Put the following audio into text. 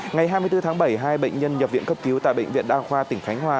ngày hai mươi bốn tháng bảy hai bệnh nhân nhập viện cấp cứu tại bệnh viện đa khoa tỉnh khánh hòa